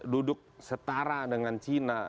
duduk setara dengan china